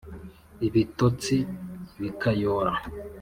Ibitotsi bikayora